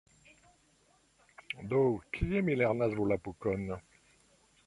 Do, kie mi lernas Volapukon?